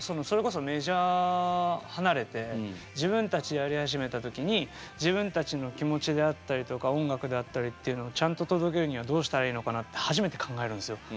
それこそメジャー離れて自分たちでやり始めた時に自分たちの気持ちであったりとか音楽であったりっていうのをちゃんと届けるにはどうしたらいいのかなって初めて考えるんですよ